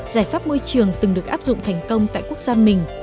giải pháp môi trường từng được áp dụng thành công tại quốc gia mình